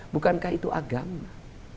bukankah itu agama